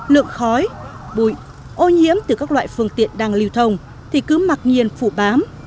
lượng khói bụi ô nhiễm từ các loại phương tiện đang lưu thông thì cứ mặc nhiên phủ bám